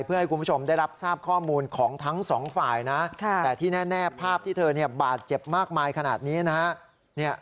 เพื่อให้คุณผู้ชมได้รับทราบข้อมูลของทั้งสองฝ่ายนะแต่ที่แน่ภาพที่เธอบาดเจ็บมากมายขนาดนี้นะฮะ